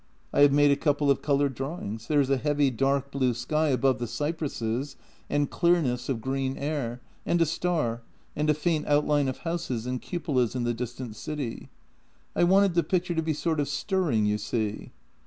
I have made a couple of coloured drawings. There is a heavy dark blue sky above the cypresses and clearness of green air, and a star, and a faint outline of houses and cupolas in the dis tant city. I wanted the picture to be sort of stirring, you see."